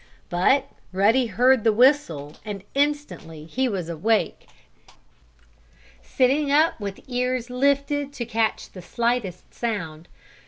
But Ruddy heard the whistle, and instantly he was awake, sitting up with ears lifted to catch the slightest sound.